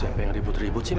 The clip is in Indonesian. siapa yang ribut ribut sini